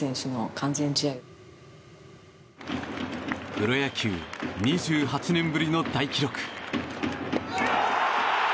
プロ野球２８年ぶりの大記録。